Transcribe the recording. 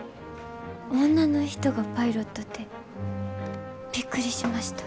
女の人がパイロットってびっくりしました。